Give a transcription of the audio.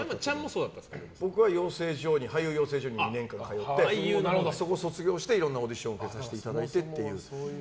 僕は養成所に２年間通ってそこを卒業してオーディションを受けさせてもらって。